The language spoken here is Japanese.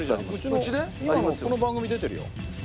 この番組出てるよ。